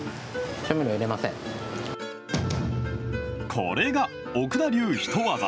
これが奥田流ヒトワザ。